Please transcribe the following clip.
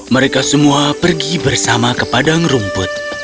mereka semua pergi bersama ke padang rumput